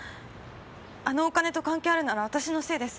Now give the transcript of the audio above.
あのお金と関係あるなら私のせいです。